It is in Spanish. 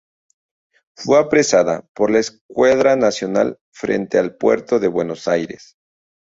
Fue apresada por la escuadra nacional frente al puerto de Buenos Aires.